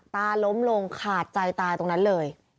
ล้มลงขาดใจตายตรงนั้นเลย